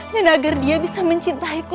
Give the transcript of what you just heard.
dan agar dia bisa mencintaiku